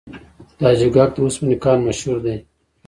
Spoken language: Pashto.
د حاجي ګک د وسپنې کان مشهور دی